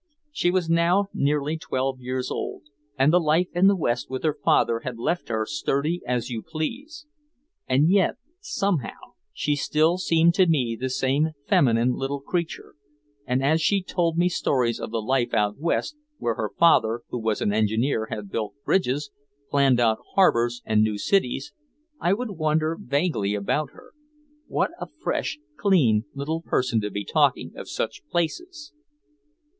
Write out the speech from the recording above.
She was now nearly twelve years old, and the life in the West with her father had left her sturdy as you please. And yet somehow she still seemed to me the same feminine little creature, and as she told me stories of the life out West, where her father, who was an engineer, had built bridges, planned out harbors and new cities, I would wonder vaguely about her. What a fresh, clean little person to be talking of such places.